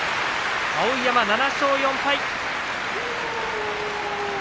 碧山、７勝４敗。